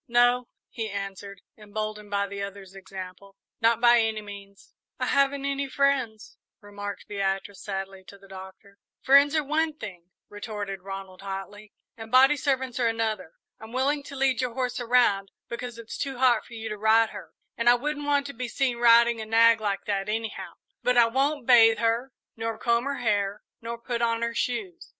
"No," he answered, emboldened by the other's example; "not by any means." "I haven't any friends," remarked Beatrice, sadly, to the Doctor. "Friends are one thing," retorted Ronald, hotly, "and body servants are another. I'm willing to lead your horse around, because it's too hot for you to ride her, and I wouldn't want to be seen riding a nag like that anyhow; but I won't bathe her nor comb her hair nor put on her shoes."